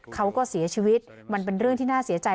เขาก็เสียชีวิตมันเป็นเรื่องที่น่าเสียใจ